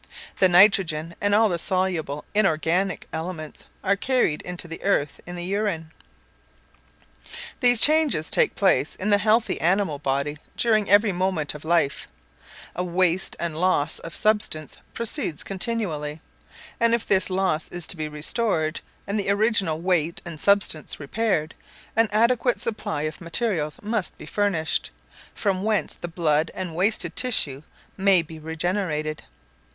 The nitrogen, and all the soluble inorganic elements are carried to the earth in the urine. These changes take place in the healthy animal body during every moment of life; a waste and loss of substance proceeds continually; and if this loss is to be restored, and the original weight and substance repaired, an adequate supply of materials must be furnished, from whence the blood and wasted tissues may be regenerated.